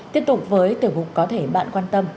tiếp tục với tiểu mục có thể bạn quan tâm